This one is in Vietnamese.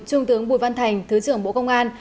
trung tướng bùi văn thành thứ trưởng bộ công an